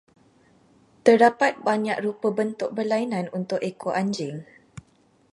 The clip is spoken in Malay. Terdapat banyak rupa bentuk berlainan untuk ekor anjing.